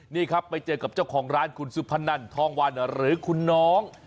นี่ครับไปเจอกับเจ้าของร้านคุณสุพนันทองวันหรือคุณน้อง